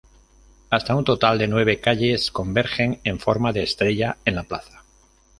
Hasta un total de nueve calles convergen en forma de estrella en la plaza.